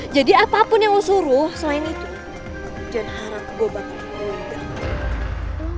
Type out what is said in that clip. jadi apapun yang lo suruh selain itu jangan harap gue bakal ngelupin